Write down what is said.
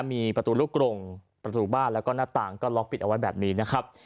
มีประตูลูกกรงประตูบ้านแล้วก็หน้าต่างก็ล็อกปิดเอาไว้แบบนี้นะครับ